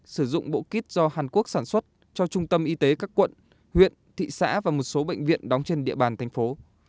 sử dụng bộ kít do hàn quốc sản xuất cho trung tâm y tế các quận huyện thị xã và một số bệnh viện đóng trên địa bàn thành phố